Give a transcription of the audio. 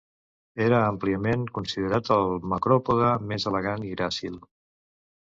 Era àmpliament considerat el macròpode més elegant i gràcil.